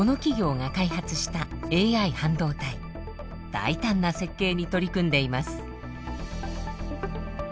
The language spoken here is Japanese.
大胆な設計に取り組んでいます。